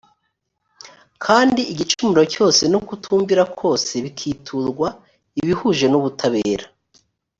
kandi igicumuro cyose no kutumvira kose bikiturwa ibihuje n ubutabera